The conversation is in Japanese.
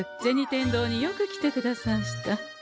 天堂によく来てくださんした。